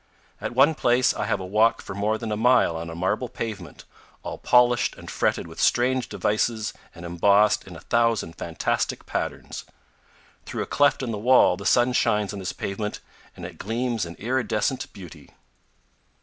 At one place I 238 8 CANYONS OF THE COLORADO. have a walk for more than a mile on a marble pavement, all polished and fretted with strange devices and embossed in a thousand fantastic patterns. Through a cleft in the wall the sun shines on this pavement and it gleams in iridescent beauty.